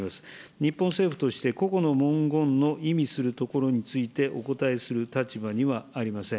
日本政府として、個々の文言の意味するところについてお答えするものではありません。